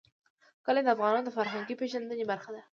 کلي د افغانانو د فرهنګي پیژندنې برخه ده.